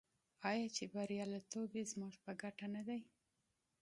آیا چې بریالیتوب یې زموږ په ګټه نه دی؟